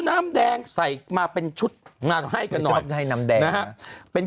น้ำแดงใส่มาเป็นชุดงานให้กันน้อยไปน้ำแดงนะครับเป็นเคลื่อน